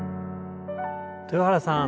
豊原さん